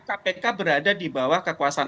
kpk berada di bawah kekuasaan